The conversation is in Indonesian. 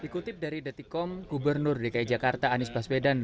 dikutip dari dati com gubernur dki jakarta anies baswedan